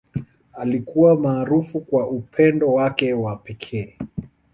Alikuwa maarufu kwa upendo wake wa pekee.